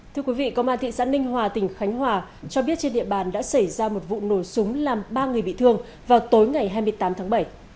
thưa quý vị công an thị xã ninh hòa tỉnh khánh hòa cho biết trên địa bàn đã xảy ra một vụ nổ súng làm ba người bị thương vào tối ngày hai mươi tám tháng bảy